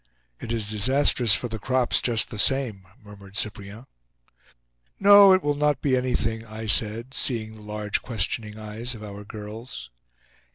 "It is disastrous for the crops, just the same," murmured Cyprien. "No, it will not be anything," I said, seeing the large questioning eyes of our girls.